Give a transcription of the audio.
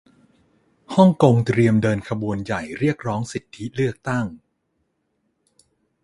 ฮ่องกงเตรียมเดินขบวนใหญ่เรียกร้องสิทธิเลือกตั้ง